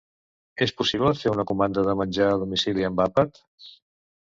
És possible fer una comanda de menjar a domicili amb Appat?